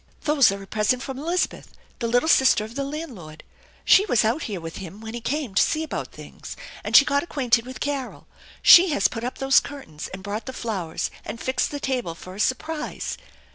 " Those are a present from Elizabeth, the little sister of the landlord. She was out here with him when he came to see about things, and she got acquainted with Carol. She has put up those curtains, and brought the flowers, and fixed the table, for a surprise.